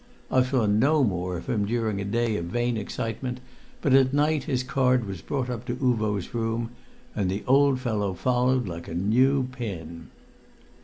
I saw no more of him during a day of vain excitement, but at night his card was brought up to Uvo's room, and the old fellow followed like a new pin.